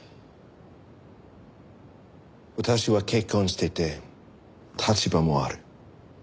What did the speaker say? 私は結婚してて立場もある。